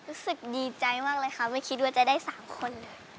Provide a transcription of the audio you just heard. รู้สึกดีใจมากเลยค่ะไม่คิดว่าจะได้๓คนเลย